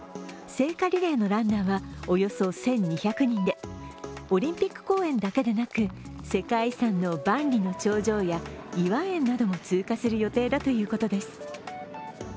聖火リレーのランナーはおよそ１２００人でオリンピック公園だけでなく、世界遺産の万里の長城や頤和園なども通過する予定だということです。